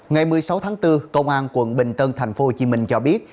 ngày một mươi sáu tháng bốn công an quận bình tân thành phố hồ chí minh cho biết